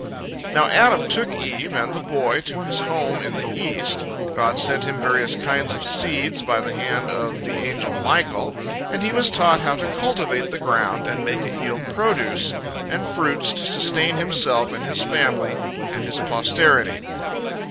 Now Adam took Eve and the boy to his home in the east. God sent him various kinds of seeds by the hand of the angel Michael, and he was taught how to cultivate the ground and make it yield produce and fruits, to sustain himself and his family and his posterity.